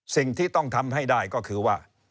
สิ่งที่ต้องทำให้ได้ก็คือว่า